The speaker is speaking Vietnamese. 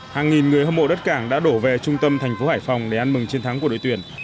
hàng nghìn người hâm mộ đất cảng đã đổ về trung tâm thành phố hải phòng để ăn mừng chiến thắng của đội tuyển